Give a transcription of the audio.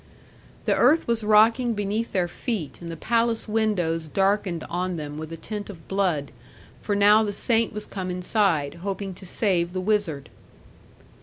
The earth was rocking beneath their feet, and the palace windows darkened on them, with a tint of blood, for now the saint was come inside, hoping to save the wizard.